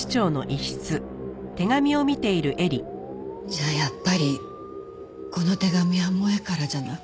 じゃあやっぱりこの手紙は萌絵からじゃなくて。